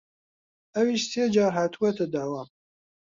ئەویش سێ جار هاتووەتە داوام